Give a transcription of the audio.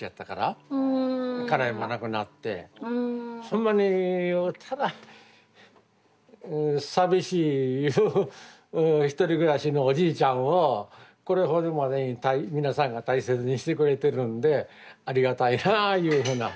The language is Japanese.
ほんまにただ寂しいゆう独り暮らしのおじいちゃんをこれほどまでに皆さんが大切にしてくれてるんでありがたいなぁいうふうな。